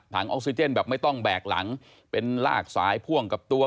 ออกซิเจนแบบไม่ต้องแบกหลังเป็นลากสายพ่วงกับตัว